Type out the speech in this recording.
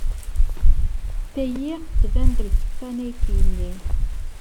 Tagi tban d lfeṭṭa n At Yanni.